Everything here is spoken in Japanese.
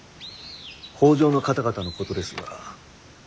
北条の方々のことですが。